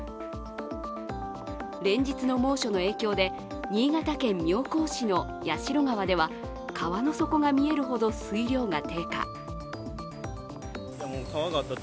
連日の猛暑の影響で、新潟県妙高市の矢代川では川の底が見えるほど水量が低下。